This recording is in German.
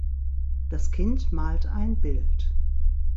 Das Kind malt ein Bild.